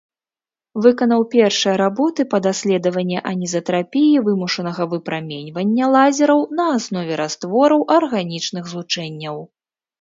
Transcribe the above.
Выканаў першыя работы па даследаванні анізатрапіі вымушанага выпраменьвання лазераў на аснове раствораў арганічных злучэнняў.